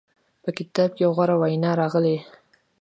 په کتاب کې غوره ویناوې راغلې.